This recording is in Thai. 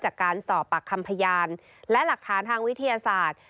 จากการสอบปากคำพยานและหลักฐานทางวิทยาศาสตร์